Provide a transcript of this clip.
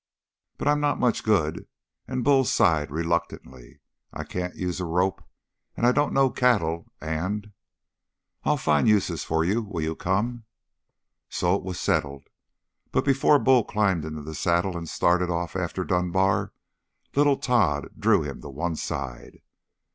"But I'm not much good," and Bull sighed reluctantly. "I can't use a rope, and I don't know cattle, and " "I'll find uses for you. Will you come?" So it was settled. But before Bull climbed into the saddle and started off after Dunbar, little Tod drew him to one side.